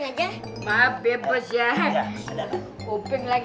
hahaha aku dibombing lagi